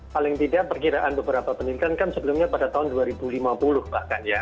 paling tidak perkiraan beberapa pendidikan kan sebelumnya pada tahun dua ribu lima puluh bahkan ya